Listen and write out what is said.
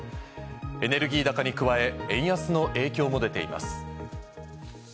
エネルギー高に加え、円安の影響も出ています。